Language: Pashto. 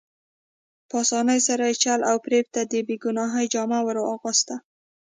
په اسانۍ سره یې چل او فریب ته د بې ګناهۍ جامه ور اغوسته.